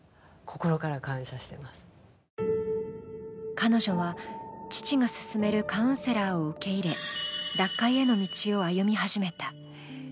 彼女は父が勧めるカウンセラーを受け入れ脱会への道を歩み始めた。